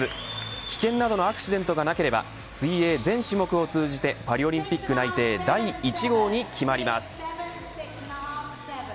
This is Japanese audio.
棄権などのアクシデントがなければ、水泳全種目を通じてパリオリンピック内定第１号に決まります。